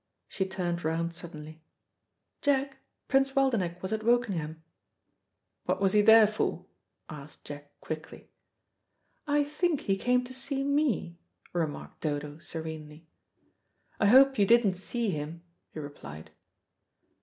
She turned round suddenly. "Jack, Prince Waldenech was at Wokingham." "What was he there for?" asked Jack quickly. "I think he came to see me," remarked Dodo serenely. "I hope you didn't see him," he replied.